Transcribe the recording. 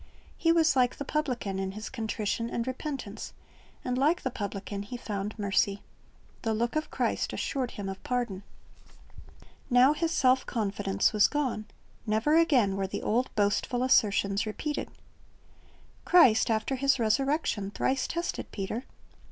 He was like the publican in his contrition and repentance, and like the publican he found mercy. The look of Christ assured him of pardon. Now his self confidence was gone. Never again were the old boastful assertions repeated. Christ after His resurrection thrice tested Peter.